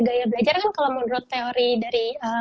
gaya belajar kan kalau menurut teori dari